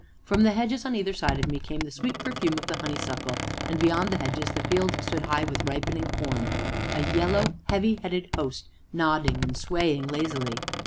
From the hedges, on either side of me, came the sweet perfume of the honeysuckle, and beyond the hedges the fields stood high with ripening corn a yellow, heavy headed host, nodding and swaying lazily.